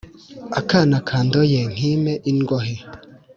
akana kandoye nkime ingohe